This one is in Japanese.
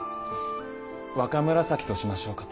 若紫としましょうかと。